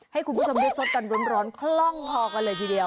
ให้คุณผู้ชมได้สดกันร้อนคล่องพอกันเลยทีเดียว